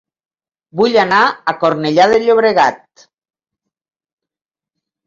Vull anar a Cornellà de Llobregat